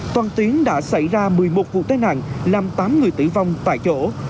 toàn tuyến đã xảy ra một mươi một vụ tai nạn làm tám người tử vong tại chỗ